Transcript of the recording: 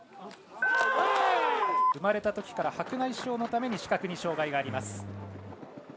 生まれたときから白内障のために視覚に障がいがあります。